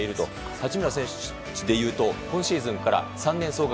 八村選手でいうと今シーズンから３年総額